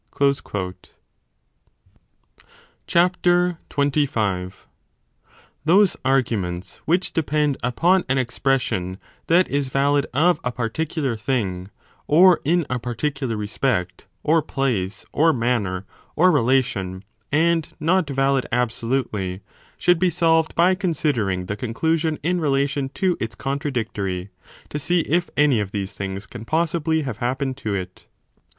g. Give me " Sing, goddess, of the wrath ..." Those arguments which depend upon an expression that 25 is valid of a particular thing, or in a particular respect, or place, or manner, or relation, and not valid absolutely, should be solved by considering the conclusion in relation 25 to its contradictory, to see if any of these things can possibly have happened to it.